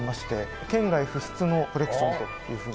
県外不出のコレクションというふうに。